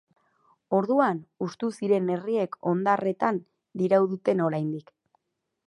Orduan hustu ziren herriek hondarretan diraute oraindik.